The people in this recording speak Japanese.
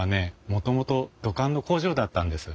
もともと土管の工場だったんです。